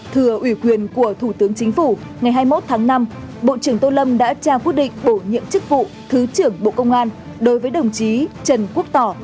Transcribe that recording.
thừa ủy quyền của thủ tướng chính phủ ngày hai mươi một tháng năm bộ trưởng tô lâm đã trao quyết định bổ nhiệm chức vụ thứ trưởng bộ công an đối với đồng chí trần quốc tỏ